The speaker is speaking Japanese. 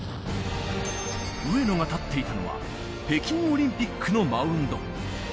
上野が立っていたのは、北京オリンピックのマウンド。